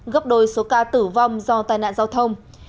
gấp đôi số ca tử vong do tai nạn giao thông